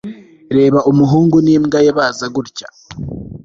reba umuhungu n'imbwa ye baza gutya